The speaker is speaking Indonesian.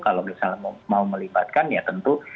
kalau misalnya mau melibatkan ya tentu